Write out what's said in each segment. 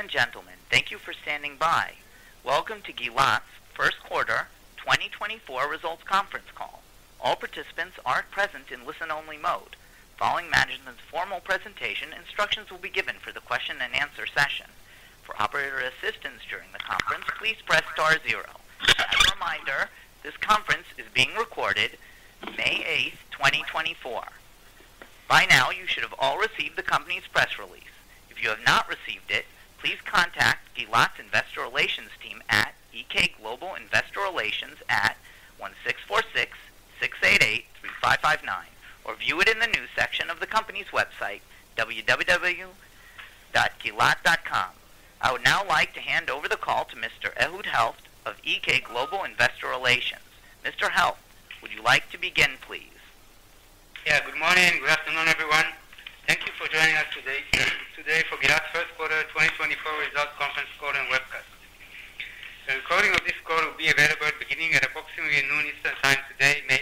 Ladies and gentlemen, thank you for standing by. Welcome to Gilat's first quarter 2024 results conference call. All participants are in listen-only mode. Following management's formal presentation, instructions will be given for the question-and-answer session. For operator assistance during the conference, please press star 0. As a reminder, this conference is being recorded. It is May 8, 2024. By now, you should have all received the company's press release. If you have not received it, please contact Gilat's investor relations team at GK Investor & Public Relations at 1646-688-3559, or view it in the news section of the company's website, www.gilat.com. I would now like to hand over the call to Mr. Ehud Helft of GK Investor & Public Relations. Mr. Helft, would you like to begin, please? Yeah, good morning. Good afternoon, everyone. Thank you for joining us today, today for Gilat's first quarter 2024 results conference call and webcast. The recording of this call will be available beginning at approximately noon Eastern Time today, May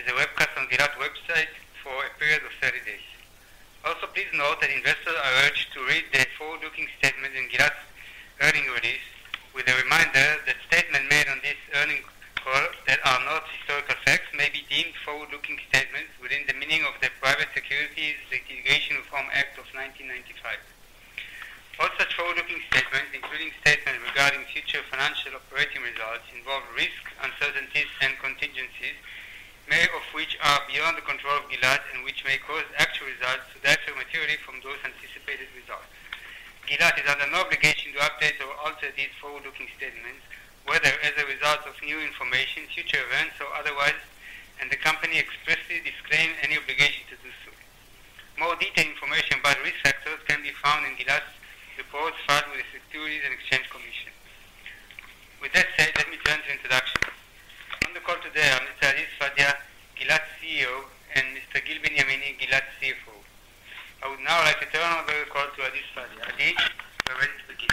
8, as a webcast on Gilat's website for a period of 30 days. Also, please note that investors are urged to read the forward-looking statement in Gilat's earnings release, with a reminder that statements made on this earnings call that are not historical facts may be deemed forward-looking statements within the meaning of the Private Securities Litigation Reform Act of 1995. All such forward-looking statements, including statements regarding future financial operating results, involve risk, uncertainties, and contingencies, many of which are beyond the control of Gilat and which may cause actual results to differ materially from those anticipated results. Gilat is under no obligation to update or alter these forward-looking statements, whether as a result of new information, future events, or otherwise, and the company expressly disclaims any obligation to do so. More detailed information about risk factors can be found in Gilat's report filed with the Securities and Exchange Commission. With that said, let me turn to introductions. On the call today, I'm Mr. Adi Sfadia, Gilat CEO, and Mr. Gil Benyamini, Gilat CFO. I would now like to turn over the call to Adi Sfadia. Adi, you're ready to begin.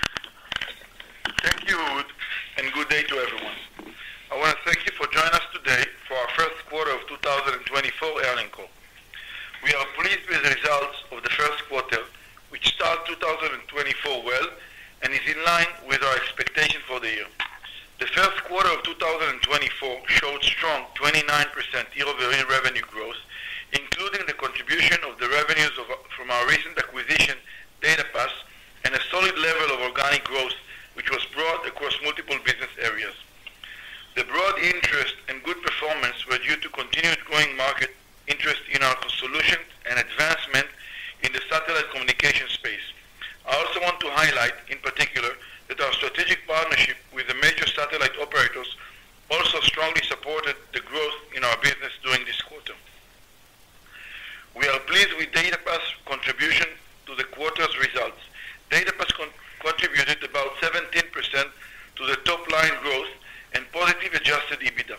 Thank you, Ehud, and good day to everyone. I want to thank you for joining us today for our first quarter of 2024 earnings call. We are pleased with the results of the first quarter, which started 2024 well and is in line with our expectations for the year. The first quarter of 2024 showed strong 29% year-over-year revenue growth, including the contribution of the revenues from our recent acquisition, DataPath, and a solid level of organic growth which was broad across multiple business areas. The broad interest and good performance were due to continued growing market interest in our solutions and advancement in the satellite communication space. I also want to highlight, in particular, that our strategic partnership with the major satellite operators also strongly supported the growth in our business during this quarter. We are pleased with DataPath's contribution to the quarter's results. DataPath contributed about 17% to the top-line growth and positive adjusted EBITDA.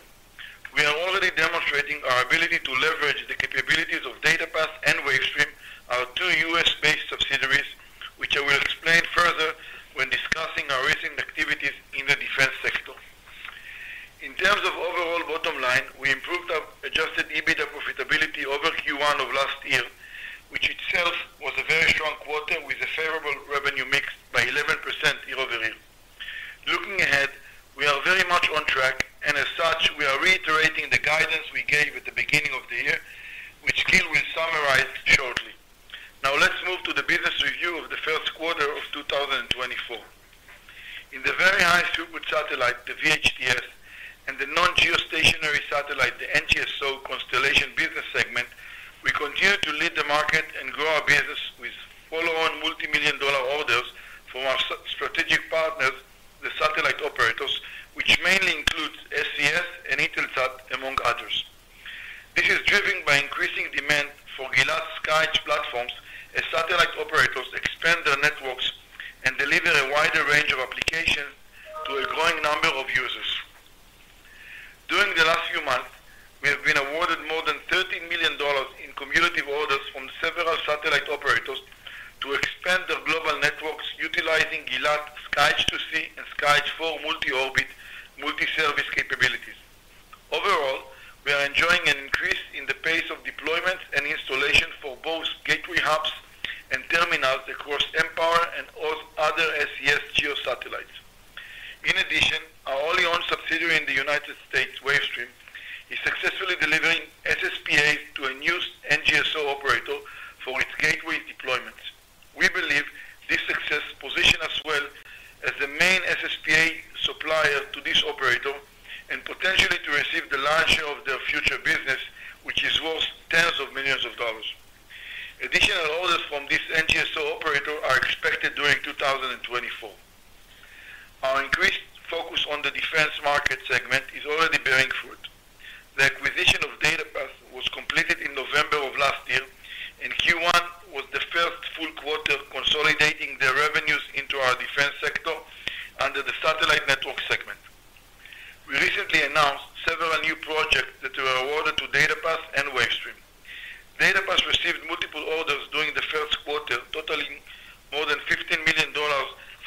We are already demonstrating our ability to leverage the capabilities of DataPath and Wavestream, our two U.S.-based subsidiaries, which I will explain further when discussing our recent activities in the defense sector. In terms of overall bottom line, we improved our adjusted EBITDA profitability over Q1 of last year, which itself was a very strong quarter with a favorable revenue mix by 11% year-over-year. Looking ahead, we are very much on track, and as such, we are reiterating the guidance we gave at the beginning of the year, which Gil will summarize shortly. Now, let's move to the business review of the first quarter of 2024. In the very high throughput satellite, the VHTS, and the non-geostationary satellite, the NGSO, constellation business segment, we continue to lead the market and grow our business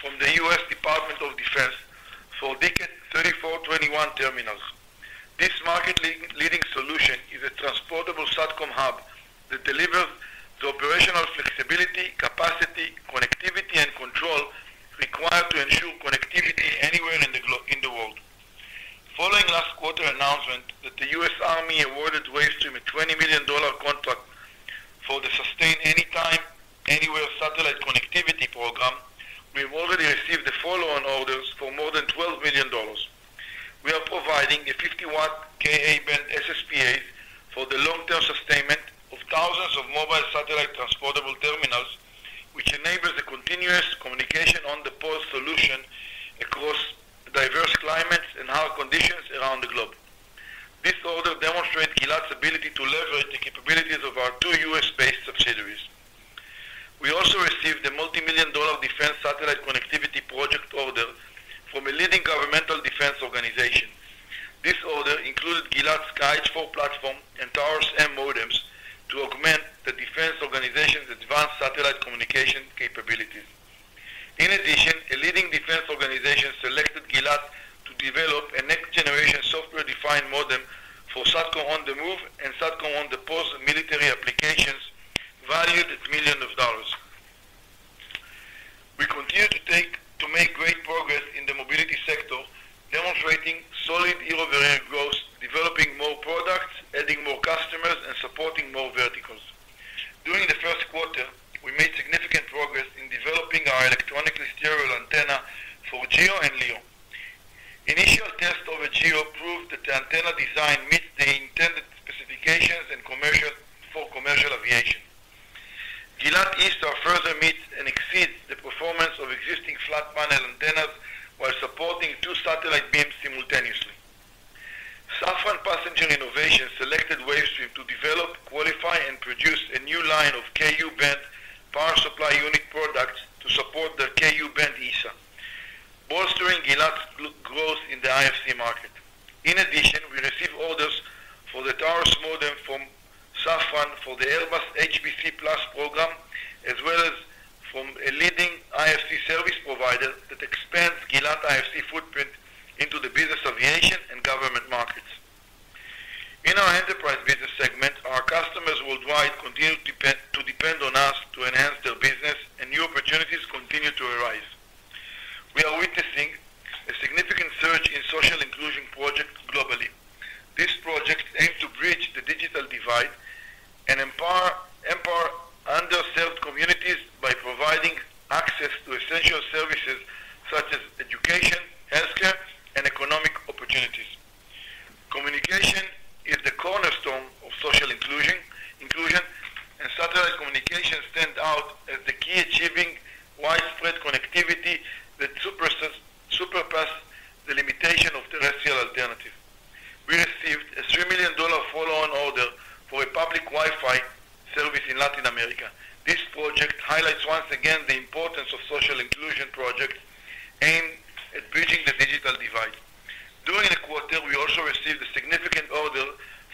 from the U.S. Department of Defense for DKET 3421 terminals. This market-leading solution is a transportable satcom hub that delivers the operational flexibility, capacity, connectivity, and control required to ensure connectivity anywhere in the globe in the world. Following last quarter announcement that the U.S. Army awarded Wavestream a $20 million contract for the Sustainment Anytime, Anywhere Satellite Connectivity program, we have already received the follow-on orders for more than $12 million. We are providing the 50-watt Ka-band SSPAs for the long-term sustainment of thousands of mobile satellite transportable terminals, which enables the continuous communication on-the-move solution across diverse climates and hard conditions around the globe. This order demonstrates Gilat's ability to leverage the capabilities of our two U.S.-based subsidiaries. We also received the multimillion-dollar Defense Satellite Connectivity Project order from a leading governmental defense organization. This order included Gilat SkyEdge IV platform and Taurus-M modems to augment the defense organization's advanced satellite communication capabilities. In addition, a leading defense organization selected Gilat to develop a next-generation software-defined modem for satcom on-the-move and satcom on-the-pause military applications valued at $ millions. We continue to make great progress in the mobility sector, demonstrating solid year-over-year growth, developing more products, adding more customers, and supporting more verticals. During the first quarter, we made significant progress in developing our electronically steerable antenna for GEO and LEO. Initial tests of a GEO proved that the antenna design meets the intended specifications and for commercial aviation. Gilat ESA further meets and exceeds the performance of existing flat-panel antennas while supporting two satellite beams simultaneously. Safran Passenger Innovations selected Wavestream to develop, qualify, and produce a new line of Ku-band power supply unit products to support their Ku-band ESA, bolstering Gilat's growth in the IFC market. In addition, we received orders for the Taurus modem from Safran for the Airbus HBCplus program, as well as from a leading IFC service provider that expands Gilat IFC footprint into the business aviation and government markets. In our enterprise business segment, our customers worldwide continue to depend on us to enhance their business, and new opportunities continue to arise. We are witnessing a significant surge in social inclusion projects globally. This project aims to bridge the digital divide and empower underserved communities by providing access to essential services such as education, healthcare, and economic opportunities. Communication is the cornerstone of social inclusion, and satellite communications stand out as the key achieving widespread connectivity that surpasses the limitation of terrestrial alternatives. We received a $3 million follow-on order for a public Wi-Fi service in Latin America. This project highlights once again the importance of social inclusion projects aimed at bridging the digital divide. During the quarter, we also received a significant order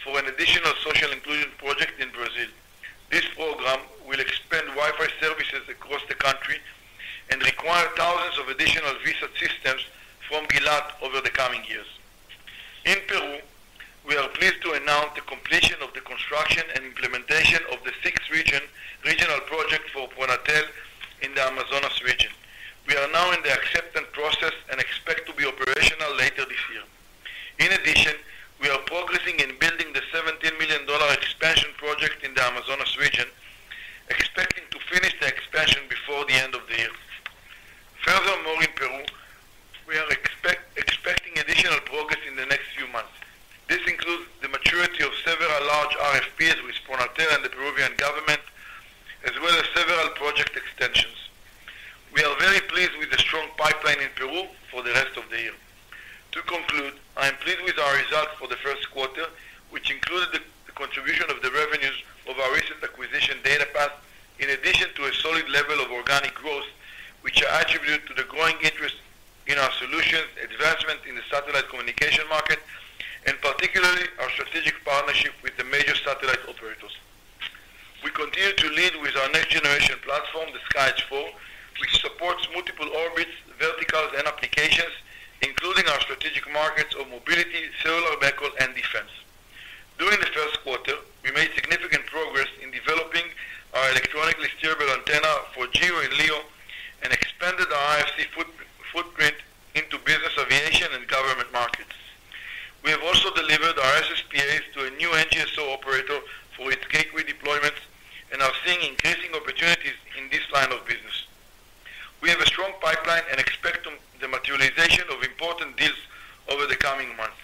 for an additional social inclusion project in the materialization of important deals over the coming months.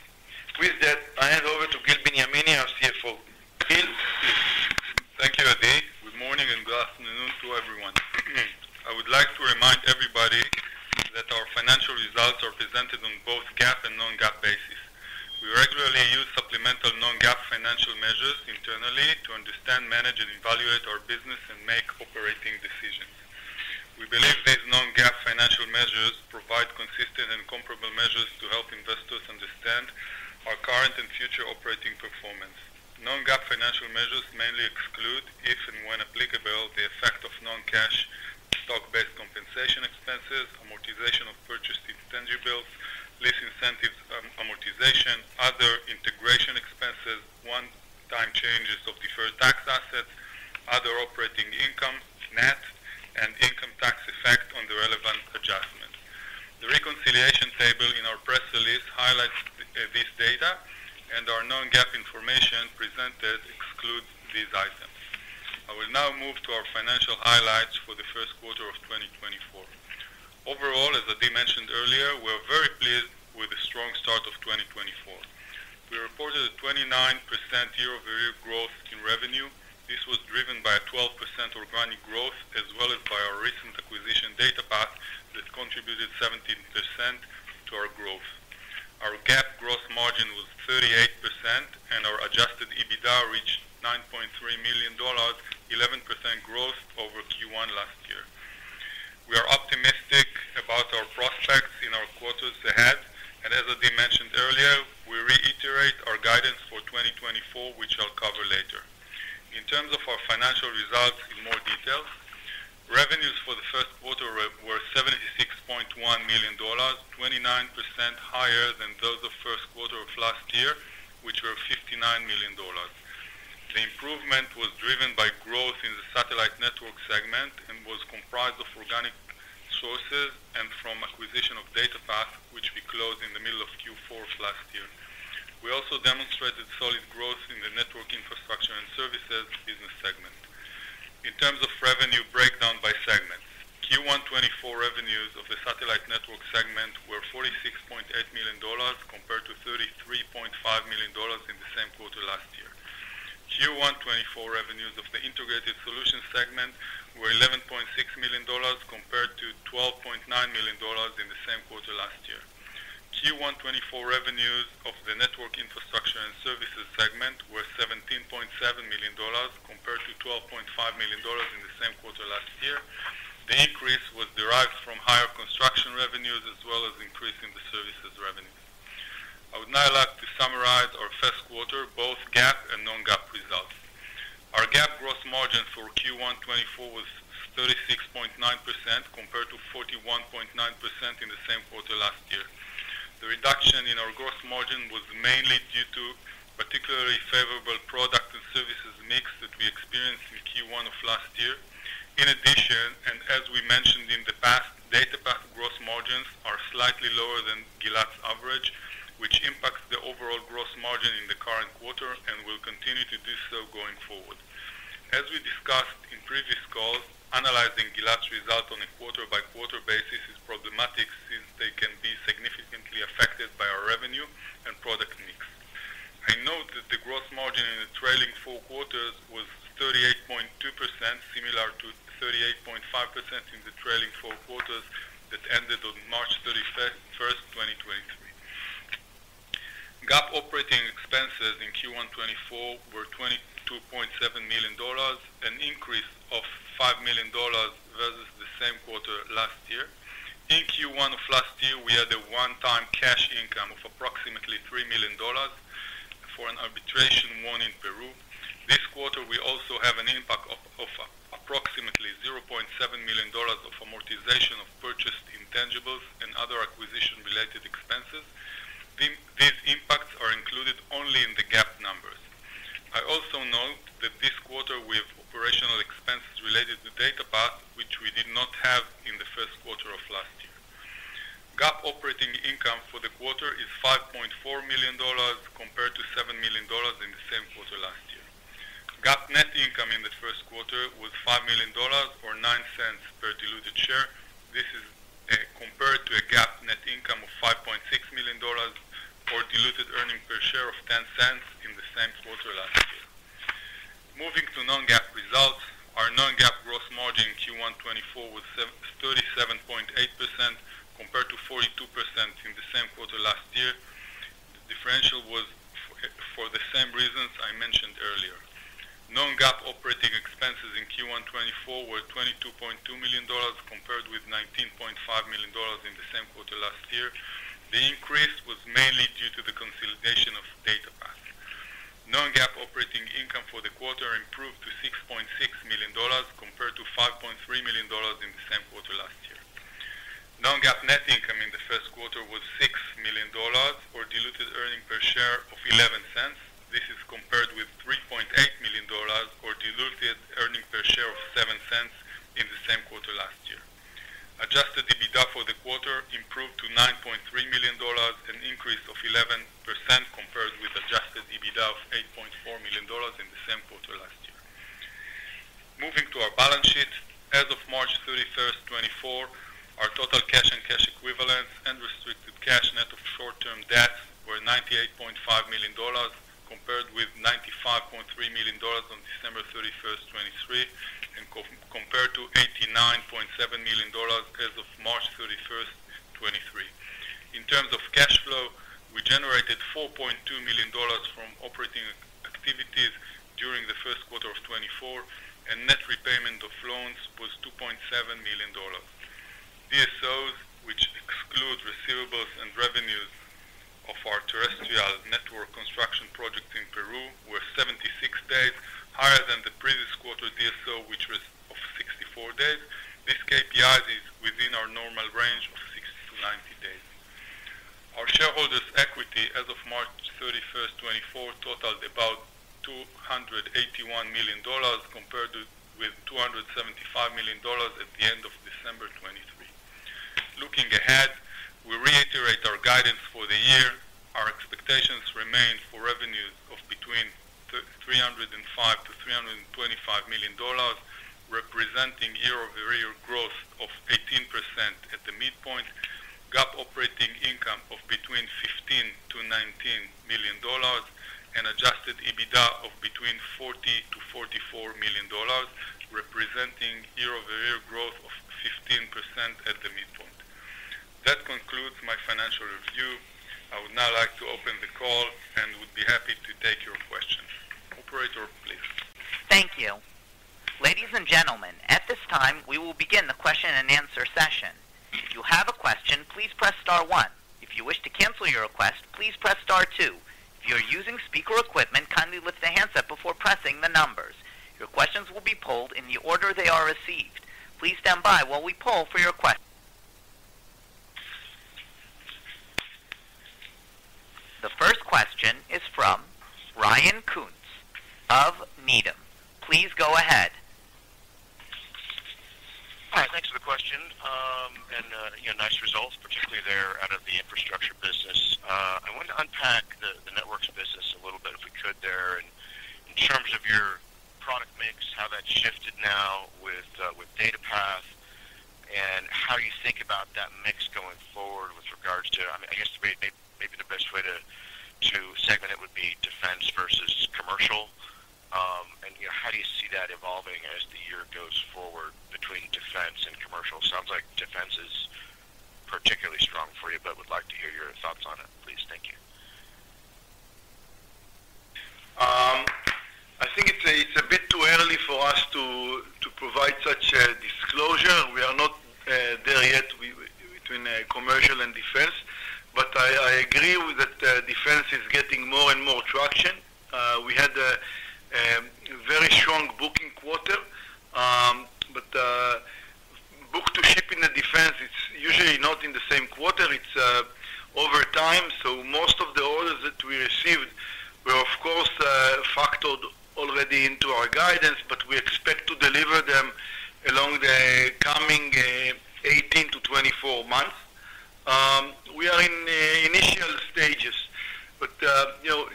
With that, I hand over to Gil Benyamini, our CFO. Gil, please. Thank you, Adi. Good morning and good afternoon to everyone. I would like to remind everybody that our financial results are presented on both GAAP and non-GAAP basis. We regularly use supplemental non-GAAP financial measures internally to understand, manage, and evaluate our business and make operating decisions. We believe these non-GAAP financial measures provide consistent and comparable measures to help investors understand our current and future operating performance. Non-GAAP financial measures mainly exclude, if and when applicable, the effect of non-cash stock-based compensation expenses, amortization of purchased expendables, lease incentives amortization, other integration expenses, one-time changes of deferred tax assets, other operating income net, and income tax effect on the relevant adjustments. The reconciliation table in our press release highlights this data, and our non-GAAP information presented excludes these items. I will now move to our financial highlights for the first quarter of 2024. Overall, as Adi mentioned earlier, we are very pleased with the strong start of 2024. We reported a 29% year-over-year growth in revenue. This was driven by a 12% organic growth, as well as by our recent acquisition, DataPath, that contributed 17% to our growth. Our GAAP gross margin was 38%, and our adjusted EBITDA reached $9.3 million, 11% growth over Q1 last year. We are optimistic about our prospects in our quarters ahead, and as Adi mentioned earlier, we reiterate our guidance for 2024, which I'll cover later. In terms of our financial results in more detail, revenues for the first quarter were $76.1 million, 29% higher than those of the first quarter of last year, which were $59 million. The improvement was driven by growth in the satellite network segment and was comprised of organic sources and from acquisition of DataPath, which we closed in the middle of Q4 of last year. We also demonstrated solid growth in the network infrastructure and services business segment. In terms of revenue breakdown by segments, Q1/2024 revenues of the satellite network segment were $46.8 million compared to $33.5 million in the same quarter last year. Q1/2024 revenues of the integrated solutions segment were $11.6 million compared to $12.9 million in the same quarter last year. Q1/2024 revenues of the network infrastructure and services segment were $17.7 million compared to $12.5 million in the same quarter last year. The increase was derived from higher construction revenues, as well as an increase in the services revenues. I would now like to summarize our first quarter, both GAAP and non-GAAP results. Our GAAP gross margin for Q1 2024 was 36.9% compared to 41.9% in the same quarter last year. The reduction in our gross margin was mainly due to particularly favorable product and services mix that we experienced in Q1 of last year. In addition, and as we mentioned in the past, DataPath gross margins are slightly lower than Gilat's average, which impacts the overall gross margin in the current quarter and will continue to do so going forward. As we discussed in previous calls, analyzing Gilat's results on a quarter-by-quarter basis is problematic since they can be significantly affected by our revenue and product mix. I note that the gross margin in the trailing four quarters was 38.2%, similar to 38.5% in the trailing four quarters that ended on March 31st, 2023. GAAP operating expenses in Q1 2024 were $22.7 million, an increase of $5 million versus the same quarter last year. In Q1 of last year, we had a one-time cash income of approximately $3 million for an arbitration won in Peru. This quarter, we also have an impact of approximately $0.7 million of amortization of purchased intangibles and other acquisition-related expenses. These impacts are included only in the GAAP numbers. I also note that this quarter, we have operational expenses related to DataPath, which we did not have in the first quarter of last year. GAAP operating income for the quarter is $5.4 million compared to $7 million in the same quarter last year. GAAP net income in the first quarter was $5 million or $0.09 per diluted share. This is compared to a GAAP net income of $5.6 million or diluted earnings per share of $0.10 in the same quarter last year. Moving to Non-GAAP results, our Non-GAAP gross margin in Q1/2024 was 37.8% compared to 42% in the same quarter last year. The differential was for the same reasons I mentioned earlier. Non-GAAP operating expenses in Q1/2024 were $22.2 million compared with $19.5 million in the same quarter last year. The increase was mainly due to the consolidation of DataPath. Non-GAAP operating income for the quarter improved to $6.6 million compared to $5.3 million in the same quarter last year. Non-GAAP net income in the first quarter was $6 million or diluted earnings per share of $0.11. This is compared with $3.8 million or diluted earnings per share of $0.07 in the same quarter last year. Adjusted EBITDA for the quarter improved to $9.3 million, an increase of 11% compared with adjusted EBITDA of $8.4 million in the same quarter last year. Moving to our balance sheet, as of March 31, 2024, our total cash and cash equivalents and restricted cash net of short-term debts were $98.5 million compared with $95.3 million on December 31, 2023, and compared to $89.7 million as of March 31, 2023. In terms of cash flow, we generated $4.2 million from operating activities during the first quarter of 2024, and net repayment of loans was $2.7 million. DSOs, which exclude receivables and revenues of our terrestrial network construction projects in Peru, were 76 days, higher than the previous quarter DSO, which was of 64 days. This KPI is within our normal range of 60-90 days. Our shareholders' equity as of March 31, 2024, totaled about $281 million compared with $275 million at the end of December 2023. Looking ahead, we reiterate our guidance for the year. Our expectations remain for revenues of between $305-$325 million, representing year-over-year growth of 18% at the midpoint, GAAP operating income of between $15-$19 million, and adjusted EBITDA of between $40-$44 million, representing year-over-year growth of 15% at the midpoint. That concludes my financial review. I would now like to open the call and would be happy to take your questions. Operator, please. Thank you. Ladies and gentlemen, at this time, we will begin the question-and-answer session. If you have a question, please press star one. If you wish to cancel your request, please press star two. If you are using speaker equipment, kindly lift the handset up before pressing the numbers. Your questions will be polled in the order they are received. Please stand by while we poll for your question. The first question is from Ryan Koontz of Needham. Please go ahead. All right. Thanks for the question. And nice results, particularly there out of the infrastructure business. I wanted to unpack the networks business a little bit, if we could, there. And in terms of your product mix, how that's shifted now with DataPath, and how you think about that mix going forward with regards to I mean, I guess maybe the best way to segment it would be defense versus commercial. And how do you see that evolving as the year goes forward between defense and commercial? Sounds like defense is particularly strong for you, but would like to hear your thoughts on it, please. Thank you. I think it's a bit too early for us to provide such a disclosure. We are not there yet between commercial and defense. But I agree that defense is getting more and more traction. We had a very strong booking quarter. But book-to-ship in the defense, it's usually not in the same quarter. It's over time. So most of the orders that we received were, of course, factored already into our guidance, but we expect to deliver them along the coming 18-24 months. We are in initial stages. But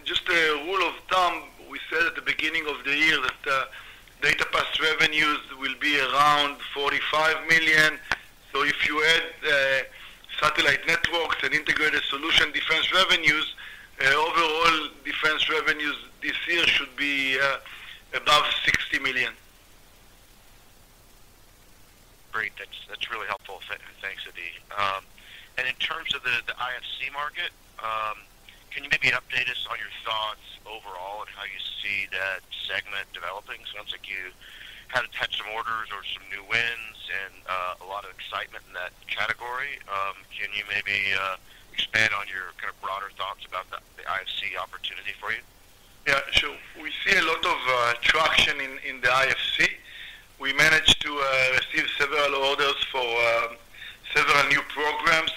just a rule of thumb, we said at the beginning of the year that DataPath revenues will be around $45 million. So if you add satellite networks and integrated solution defense revenues, overall defense revenues this year should be above $60 million. Great. That's really helpful. Thanks, Adi. And in terms of the IFC market, can you maybe update us on your thoughts overall on how you see that segment developing? Sounds like you had a touch of orders or some new wins and a lot of excitement in that category. Can you maybe expand on your kind of broader thoughts about the IFC opportunity for you? Yeah. So we see a lot of traction in the IFC. We managed to receive several orders for several new programs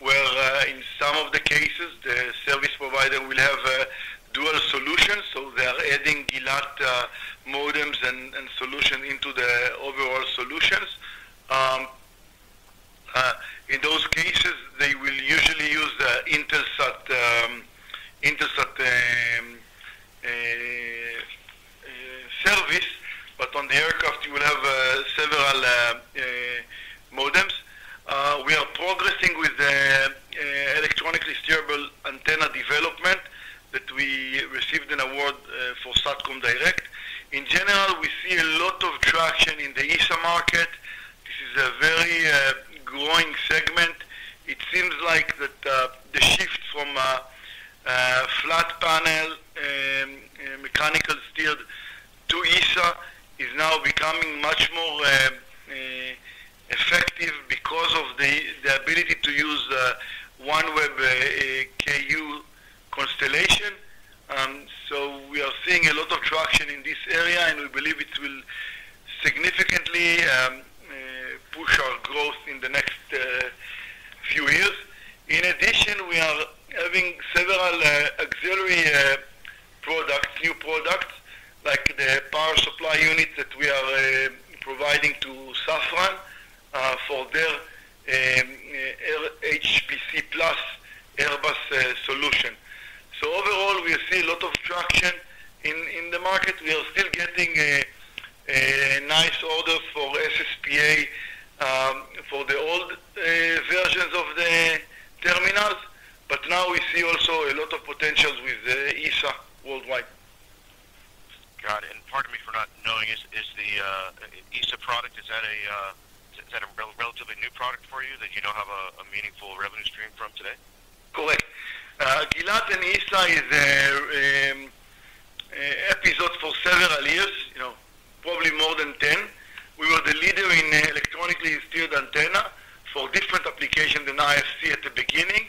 where, in some of the cases, the service provider will have dual solutions. So they are adding Gilat modems and solution into the overall solutions. In those cases, they will usually use the Intelsat service, but on the aircraft, you will have several modems. We are progressing with the electronically steerable antenna development that we received an award for Satcom Direct. In general, we see a lot of traction in the ESA market. This is a very growing segment. It seems like that the shift from a flat panel mechanical steered to ESA is now becoming much more effective because of the ability to use OneWeb Ku constellation. So we are seeing a lot of traction in this area, and we believe it will significantly push our growth in the next few years. In addition, we are having several auxiliary products, new products, like the power supply unit that we are providing to Safran for their HBCplus Airbus solution. So overall, we see a lot of traction in the market. We are still getting nice orders for SSPA for the old versions of the terminals, but now we see also a lot of potential with ESA worldwide. Got it. Pardon me for not knowing. Is the ESA product, is that a relatively new product for you that you don't have a meaningful revenue stream from today? Correct. Gilat's ESA is an area for several years, probably more than 10. We were the leader in electronically steerable antenna for different applications than IFC at the beginning.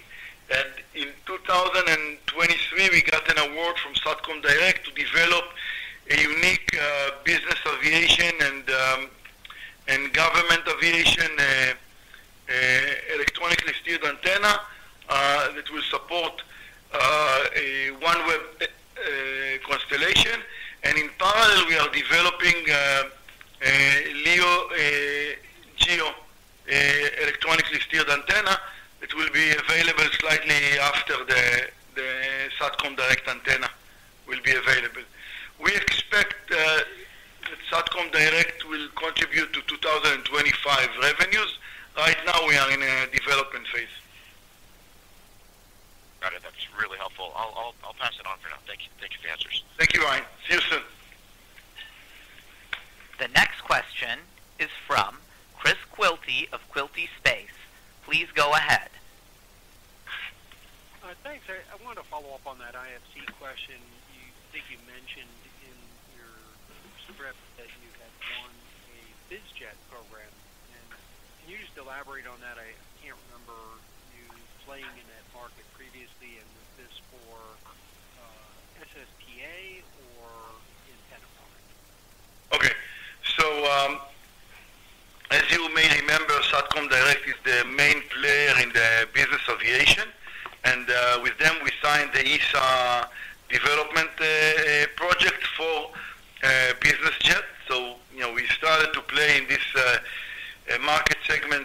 In 2023, we got an award from Satcom Direct to develop a unique business aviation and government aviation electronically steerable antenna that will support a OneWeb constellation. In parallel, we are developing LEO-GEO electronically steerable antenna that will be available slightly after the Satcom Direct antenna will be available. We expect that Satcom Direct will contribute to 2025 revenues. Right now, we are in a development phase. Got it. That's really helpful. I'll pass it on for now. Thank you for the answers. Thank you, Ryan. See you soon. The next question is from Chris Quilty of Quilty Space. Please go ahead. All right. Thanks, Harry. I wanted to follow up on that IFC question. I think you mentioned in your script that you had won a BizJet program. Can you just elaborate on that? I can't remember you playing in that market previously. Was this for SSPA or in Phenom? Okay. So as you may remember, Satcom Direct is the main player in the business aviation. With them, we signed the ESA development project for BizJet. So we started to play in this market segment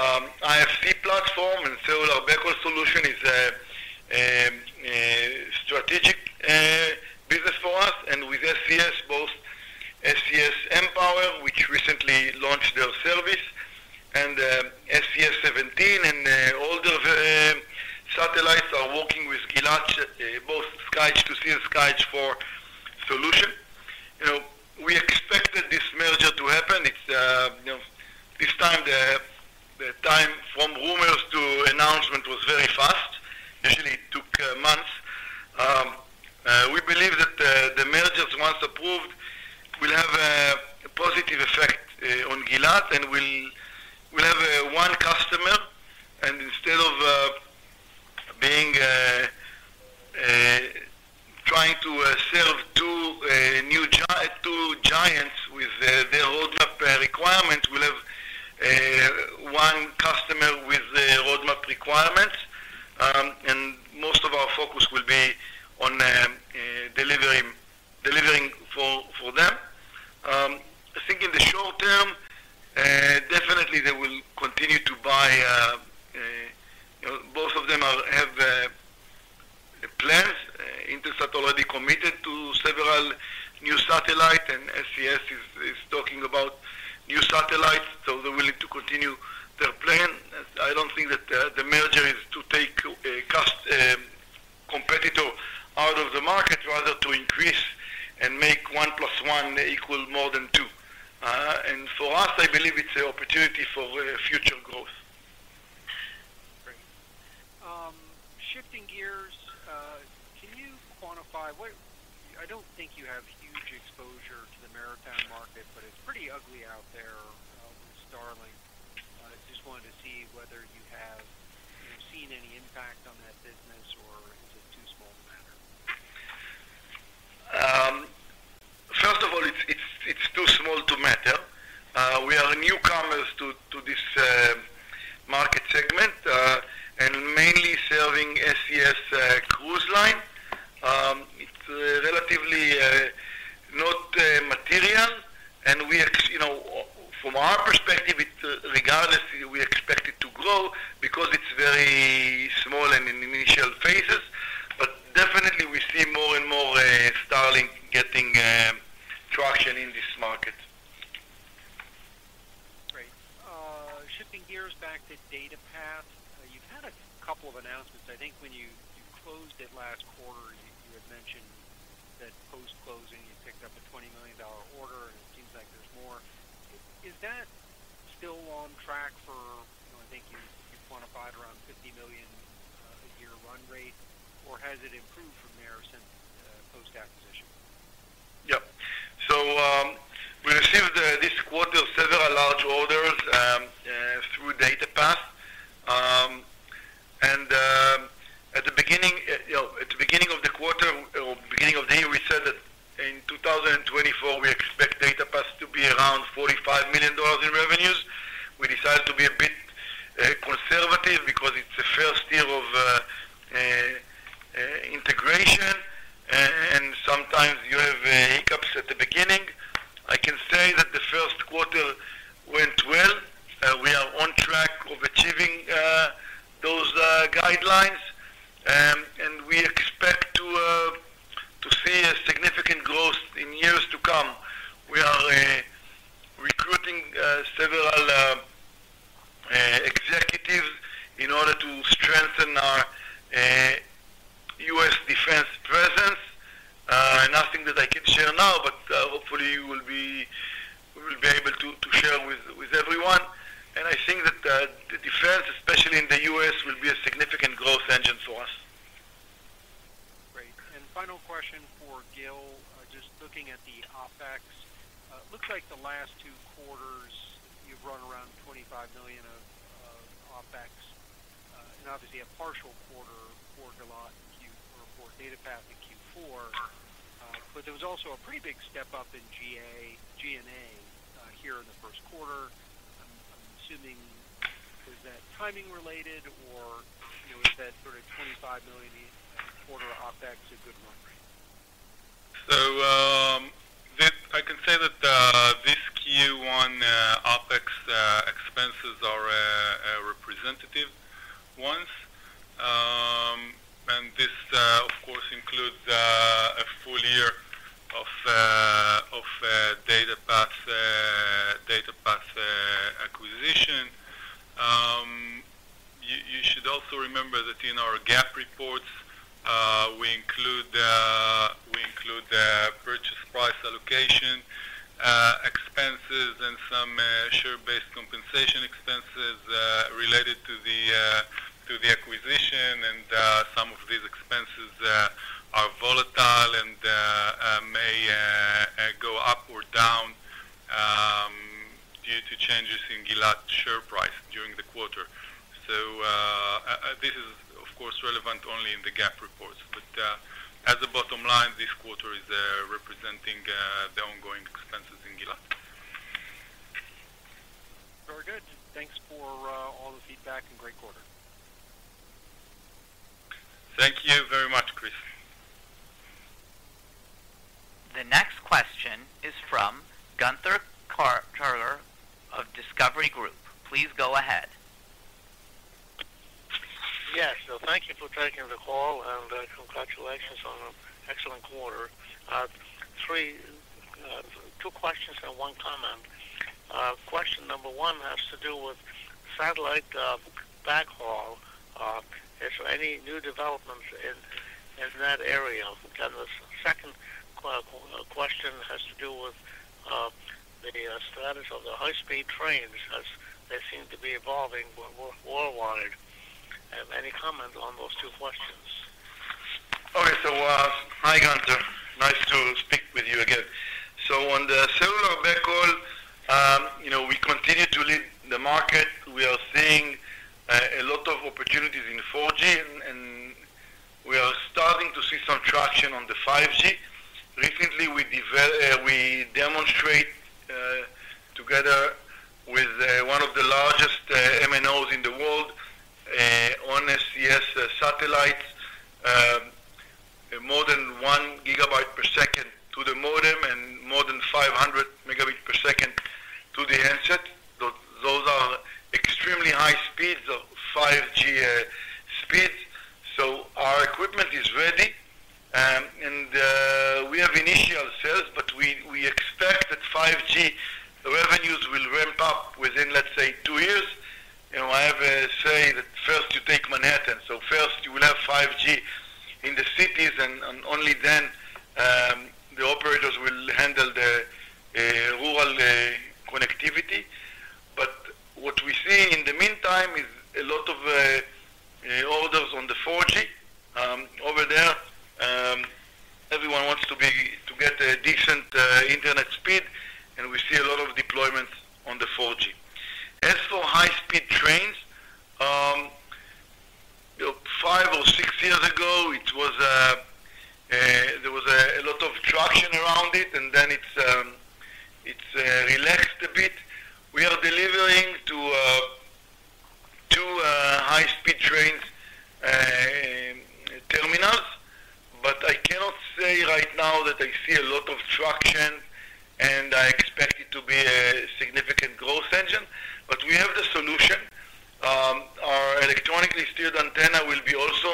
IFC platform, and cellular backhaul solution is a strategic business for us. And with SES, both SES mPOWER, which recently launched their service, and SES-17 and older satellites are working with Gilat, both SkyEdge II-c and SkyEdge IV solution. We expected this merger to happen. This time, the time from rumors to announcement was very fast. Usually, it took months. We believe that the mergers, once approved, will have a positive effect on Gilat, and we'll have one customer. And instead of trying to serve two giants with their roadmap requirements, we'll have one I think when you closed it last quarter, you had mentioned that post-closing, you picked up a $20 million order, and it seems like there's more. Is that still on track for I think you quantified around $50 million a year run rate, or has it improved from there since post-acquisition? Yep. So we received this quarter several large orders through DataPath. At the beginning of the quarter or beginning of the year, we said that in 2024, we expect DataPath to be around $45 million in revenues. We decided to be a bit conservative because it's a first year of integration, and sometimes you have hiccups at the beginning. I can say that the first quarter went well. We are on track of achieving those guidelines. We expect to see a significant growth in years to come. We are recruiting several executives in order to strengthen our U.S. defense presence. Nothing that I can share now, but hopefully, you will be able to share with everyone. I think that the defense, especially in the U.S., will be a significant growth engine for us. Great. And final question for Gil. Just looking at the OpEx, it looks like the last two quarters, you've run around $25 million of OpEx. And obviously, a partial quarter for Gilat or for DataPath in Q4. But there was also a pretty big step up in G&A here in the first quarter. I'm assuming, was that timing-related, or is that sort of $25 million quarter OpEx a good run rate? So I can say that this Q1 OpEx expenses are representative ones. And this, of course, includes a full year of DataPath acquisition. You should also remember that in our GAAP reports, we include purchase price allocation expenses and some share-based compensation expenses related to the acquisition. And some of these expenses are volatile and may go up or down due to changes in Gilat share price during the quarter. So this is, of course, relevant only in the GAAP reports. But as a bottom line, this quarter is representing the ongoing expenses in Gilat. Very good. Thanks for all the feedback and great quarter. Thank you very much, Chris. The next question is from Gunther Karger of Discovery Group. Please go ahead. Yeah. So thank you for taking the call, and congratulations on an excellent quarter. Two questions and one comment. Question number one has to do with satellite backhaul. Is there any new developments in that area? And the second question has to do with the status of the high-speed trains, as they seem to be evolving worldwide. Have any comment on those two questions? All right. So hi, Gunther. Nice to speak with you again. So on the cellular backhaul, we continue to lead the market. We are seeing a lot of opportunities in 4G, and we are starting to see some traction on the 5G. Recently, we demonstrated together with one of the largest MNOs in the world on SES satellites more than 1 Gb/s to the modem and more than 500 Mb/s to the handset. Those are extremely high speeds of 5G speeds. So our equipment is ready. And we have initial sales, but we expect that 5G revenues will ramp up within, let's say, two years. I have to say that first you take Manhattan. So first, you will have 5G in the cities, and only then the operators will handle the rural connectivity. But what we see in the meantime is a lot of orders on the 4G over there. Everyone wants to get a decent internet speed, and we see a lot of deployments on the 4G. As for high-speed trains, 5 or 6 years ago, there was a lot of traction around it, and then it's relaxed a bit. We are delivering to two high-speed train terminals. But I cannot say right now that I see a lot of traction, and I expect it to be a significant growth engine. But we have the solution. Our electronically steered antenna will be also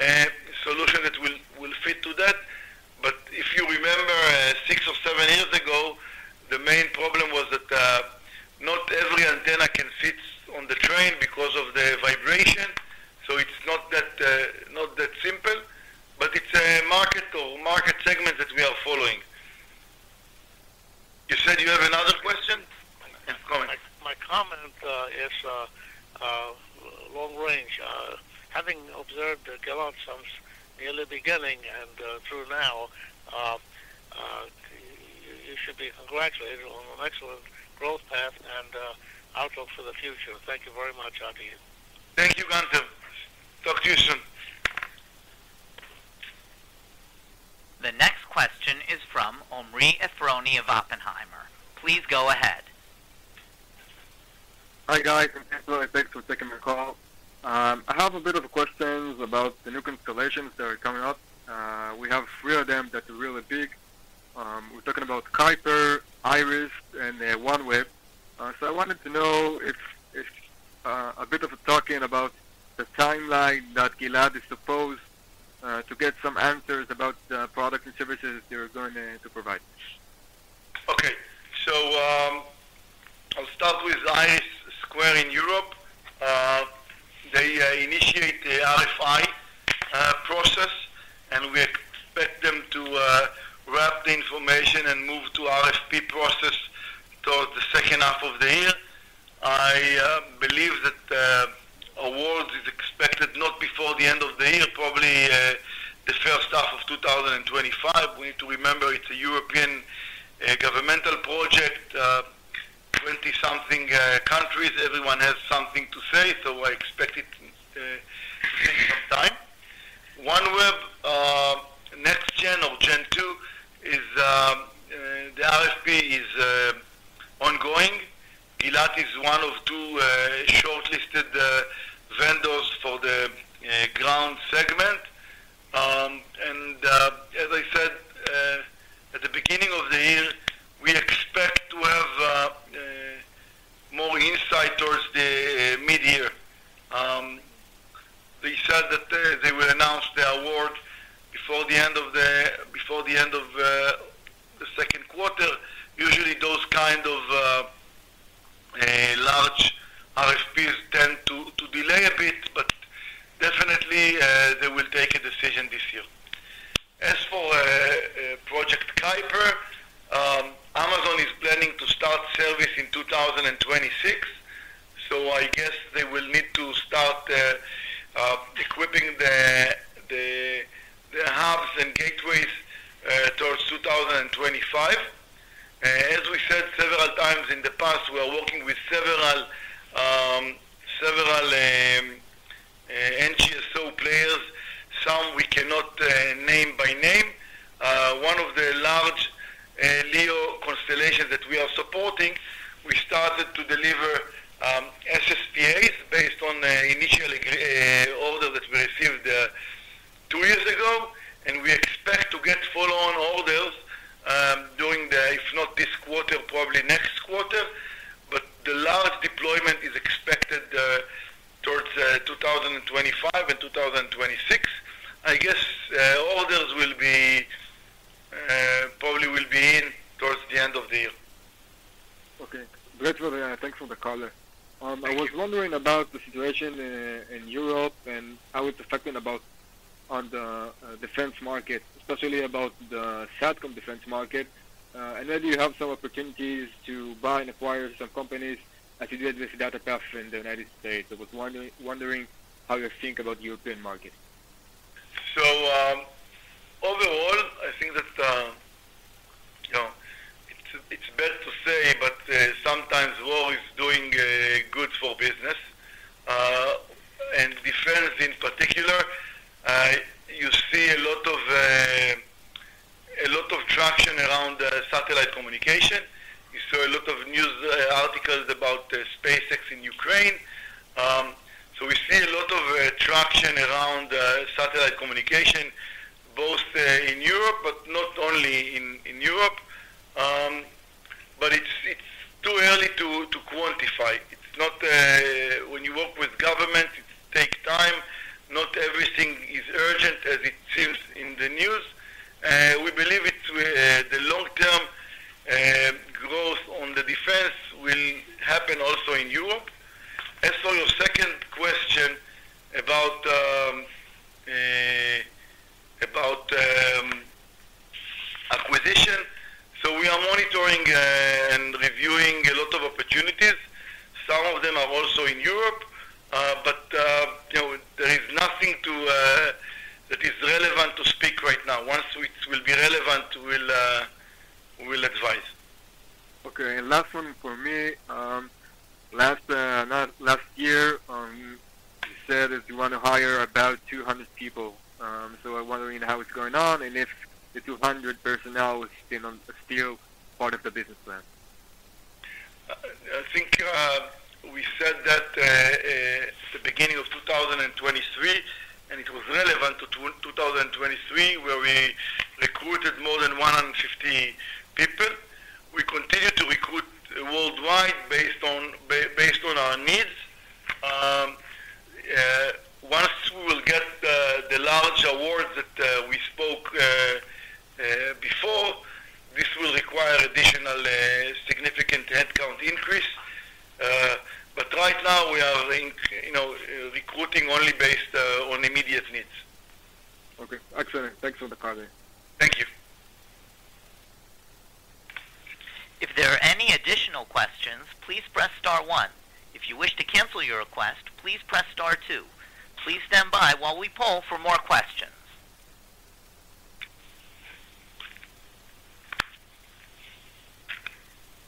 a solution that will fit to that. But if you remember, 6 or 7 years ago, the main problem was that not every antenna can sit on the train because of the vibration. So it's not that simple. But it's a market segment that we are following. You said you have another question? Comment. My comment is long-range. Having observed Gilat since the early beginning and through now, you should be congratulated on an excellent growth path and outlook for the future. Thank you very much, Adi. Thank you, Gunther. Talk to you soon. The next question is from Omri Efroni of Oppenheimer. Please go ahead. Hi, guys. First of all, thanks for taking the call. I have a bit of questions about the new constellations that are coming up. We have three of them that are really big. We're talking about Kuiper, IRIS², and OneWeb. So I wanted to know if a bit of talking about the timeline that Gilat is supposed to get some answers about the products and services they're going to provide. Okay. So I'll start with IRIS² in Europe. They initiate the RFI process, and we expect them to wrap the information and move to RFP process towards the second half of the year. I believe that awards are expected not before the end of the year, probably the first half of 2025. We need to remember it's a European governmental project. 20-something countries, everyone has something to say. So I expect it to take some time. OneWeb, next-gen or Gen 2, the RFP is ongoing. Gilat is one of two shortlisted vendors for the ground segment. And as I said, at the beginning of the year, we expect to have more insight towards the mid-year. They said that they will announce the award before the end of the second quarter. Usually, those kind of large RFPs tend to delay a bit, but definitely, they will take a decision this year. As for Project Kuiper, Amazon is planning to start service in 2026. So I guess they will need to start equipping the hubs and gateways towards 2025. As we said several times in the past, we are working with several NGSO players. Some we cannot name by name. One of the large LEO constellations that we are supporting, we started to deliver SSPAs based on initial order that we received two years ago. And we expect to get follow-on orders during the, if not this quarter, probably next quarter. But the large deployment is expected towards 2025 and 2026. I guess orders probably will be in towards the end of the year. Okay. Thanks for the caller. I was wondering about the situation in Europe and how it's affecting on the defense market, especially about the satcom defense market. Whether you have some opportunities to buy and acquire some companies as you do this DataPath in the United States. I was wondering how you think about the European market. So overall, I think that it's bad to say, but sometimes war is doing good for business. And defense, in particular, you see a lot of traction around satellite communication. You saw a lot of news articles about SpaceX in Ukraine. So we see a lot of traction around satellite communication, both in Europe but not only in Europe. But it's too early to quantify. When you work with governments, it takes time. Not everything is urgent as it seems in the news. We believe the long-term growth on the defense will happen also in Europe. As for your second question about acquisition, so we are monitoring and reviewing a lot of opportunities. Some of them are also in Europe, but there is nothing that is relevant to speak right now. Once it will be relevant, we'll advise. Okay. Last one for me. Last year, you said that you want to hire about 200 people. So I'm wondering how it's going on and if the 200 personnel was still part of the business plan. I think we said that at the beginning of 2023, and it was relevant to 2023 where we recruited more than 150 people. We continue to recruit worldwide based on our needs. Once we will get the large awards that we spoke before, this will require additional significant headcount increase. But right now, we are recruiting only based on immediate needs. Okay. Excellent. Thanks for the call, then. Thank you. If there are any additional questions, please press star one. If you wish to cancel your request, please press star two. Please stand by while we poll for more questions.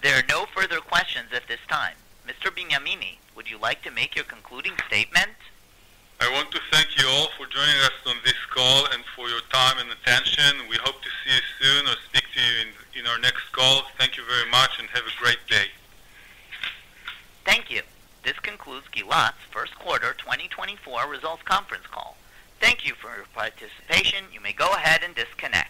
There are no further questions at this time. Mr. Benyamini, would you like to make your concluding statement? I want to thank you all for joining us on this call and for your time and attention. We hope to see you soon or speak to you in our next call. Thank you very much, and have a great day. Thank you. This concludes Gilat's first quarter 2024 results conference call. Thank you for your participation. You may go ahead and disconnect.